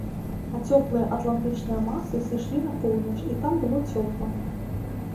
А цёплыя атлантычныя масы сышлі на поўнач і там было цёпла.